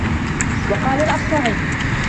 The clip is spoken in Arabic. وَقَالَ الْأَصْمَعِيُّ